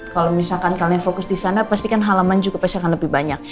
kalau misalkan kalian fokus di sana pasti kan halaman juga pasti akan lebih banyak